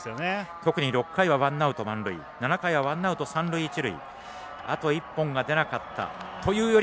特に６回はワンアウト満塁７回はワンアウト、三塁一塁。